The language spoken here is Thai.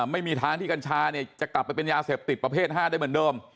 ไม่มีทางที่กัญชาจะกลับไปเป็นยาเสพติดประเภท๕ได้เหมือนเดิม